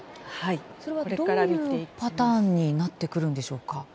どういうパターンになってくるんでしょうか。